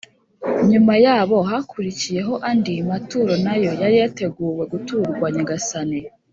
nyuma y’abo, hakurikiyeho andi maturo nayo yari yateguwe guturwa nyagasani.